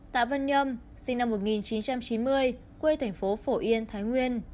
tạ văn nhâm sinh năm một nghìn chín trăm chín mươi quê thành phố phổ yên thái nguyên